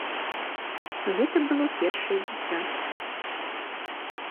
Гэта было першае дзіця.